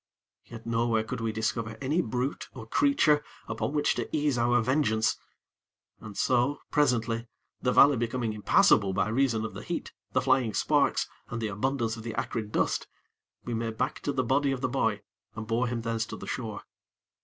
Yet nowhere could we discover any brute or creature upon which to ease our vengeance, and so, presently, the valley becoming impassable by reason of the heat, the flying sparks and the abundance of the acrid dust, we made back to the body of the boy, and bore him thence to the shore.